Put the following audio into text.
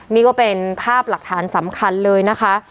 นี่ก็เป็นภาพหลักฐานสำคัญเลยนะคะ